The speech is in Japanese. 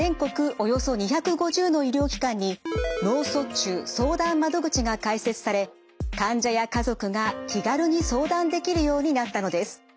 およそ２５０の医療機関に脳卒中相談窓口が開設され患者や家族が気軽に相談できるようになったのです。